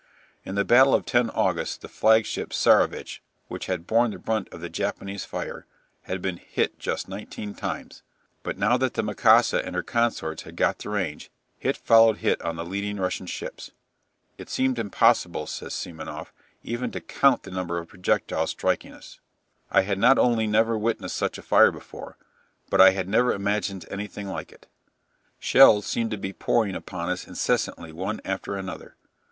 In the battle of 10 August the flagship "Tsarevitch," which had borne the brunt of the Japanese fire, had been hit just nineteen times, but now that the "Mikasa" and her consorts had got the range hit followed hit on the leading Russian ships. "It seemed impossible," says Semenoff, "even to count the number of projectiles striking us. I had not only never witnessed such a fire before, but I had never imagined anything like it. Shells seemed to be pouring upon us incessantly one after another....